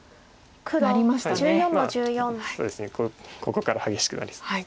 ここから激しくなりそうです。